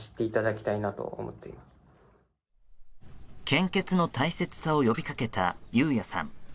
献血の大切さを呼びかけた雄也さん。